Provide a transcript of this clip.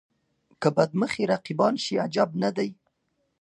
که بد مخي رقیبان شي عجب نه دی.